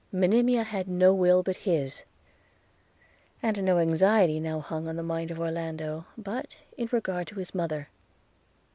Monimia had no will but his; and no anxiety now hung on the mind of Orlando, but in regard to his mother.